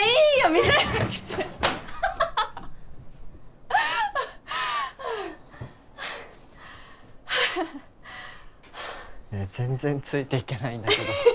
見せなくてアハハハハねえ全然ついていけないんだけど